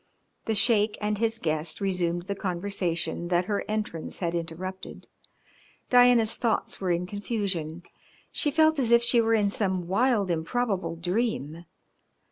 The Sheik and his guest resumed the conversation that her entrance had interrupted. Diana's thoughts were in confusion. She felt as if she were in some wild, improbable dream.